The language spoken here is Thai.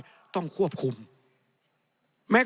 ในทางปฏิบัติมันไม่ได้